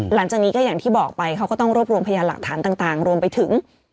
หลังจากนี้ก็อย่างที่บอกไปเขาก็ต้องรวบรวมพยานหลักฐานต่างรวมไปถึง